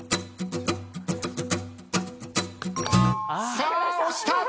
さあ押した！